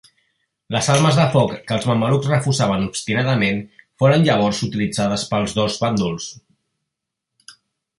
Les armes de foc que els mamelucs refusaven obstinadament, foren llavors utilitzades pels dos bàndols.